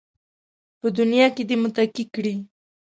په دنیا کې دې متقي کړي